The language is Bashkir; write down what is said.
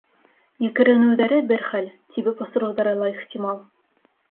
Екеренеүҙәре бер хәл, тибеп осороуҙары ла ихтимал.